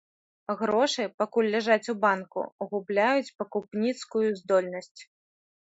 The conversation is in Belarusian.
Грошы, пакуль ляжаць у банку, губляюць пакупніцкую здольнасць.